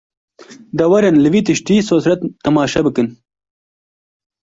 De werin li vî tiştî sosret temaşe bikin